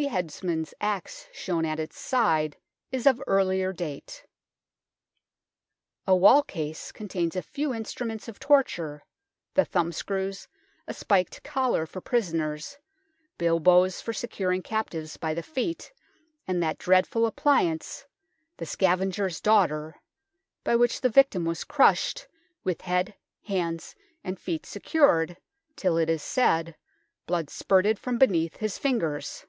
The headsman's axe shown at its side is of earlier date. A wall case contains a few instruments of torture, the thumbscrews, a spiked collar for prisoners, bilboes for securing captives by the feet, and that dreadful appliance, " The Scavenger's Daughter," by which the victim was crushed, with head, hands and feet secured, till, it is said, blood spurted from beneath his fingers.